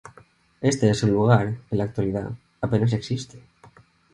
Este es un lugar, en la actualidad, apenas existe.